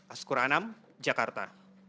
askur anam jakarta